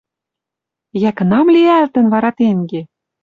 Йӓ, кынам лиӓлтӹн вара тенге